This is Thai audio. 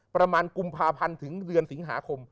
ประมาณกุมภาพันธ์ถึงเดือนสิงหาคม